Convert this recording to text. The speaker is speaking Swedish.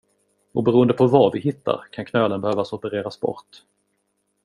Och beroende på vad vi hittar kan knölen behöva opereras bort.